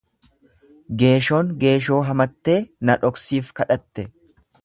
Geeshoon geeshoo hamattee naa dhoksiif kadhatte.